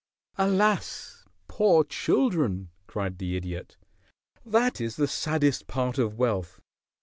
"Alas! Poor children!" cried the Idiot. "That is the saddest part of wealth.